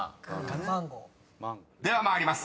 ［では参ります。